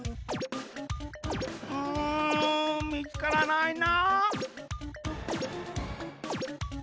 うんみつからないな。